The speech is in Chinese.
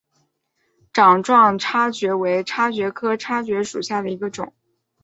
掌状叉蕨为叉蕨科叉蕨属下的一个种。